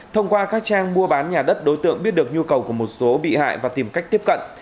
thông qua các trang mua bán nhà đất đối tượng biết được nhu cầu của một số bị hại và tìm cách tiếp cận